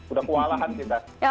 udah kewalahan kita